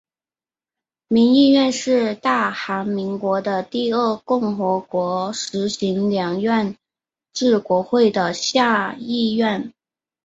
民议院是大韩民国的第二共和国实行两院制国会的下议院。